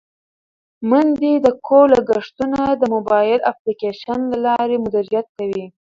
میندې د کور لګښتونه د موبایل اپلیکیشن له لارې مدیریت کوي.